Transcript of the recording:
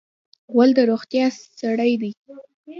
غول د روغتیا سړی دی.